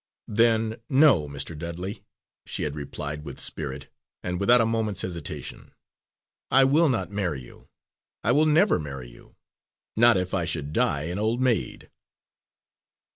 "Then no, Mr. Dudley," she had replied with spirit, and without a moment's hesitation, "I will not marry you. I will never marry you, not if I should die an old maid."